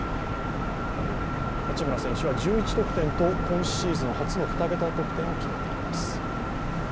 八村選手は１１得点と今シーズン初の２桁得点を決めています。